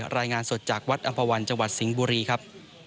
รายงานสดจากวัดอำภาวันจังหวัดสิงห์บุรีครับ